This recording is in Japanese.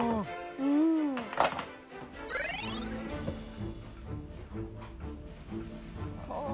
うん。はあ！